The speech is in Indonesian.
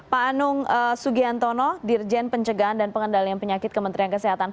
pak anung sugiantono dirjen pencegahan dan pengendalian penyakit kementerian kesehatan